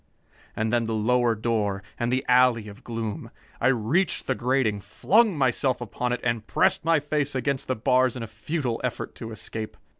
And then the lower door, and the alley of gloom. I reached the grating, flung myself upon it and pressed my face against the bars in a futile effort to escape.